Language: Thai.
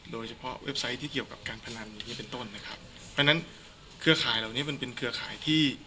เว็บไซต์ที่เกี่ยวกับการพนันอย่างนี้เป็นต้นนะครับเพราะฉะนั้นเครือข่ายเหล่านี้มันเป็นเครือข่ายที่